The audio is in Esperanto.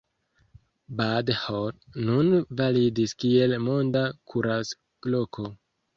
Bad Hall nun validis kiel „monda kuracloko“.